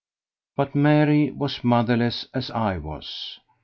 But Mary was motherless as I was.